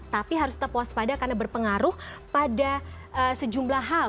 tapi harus terpuas pada karena berpengaruh pada sejumlah hal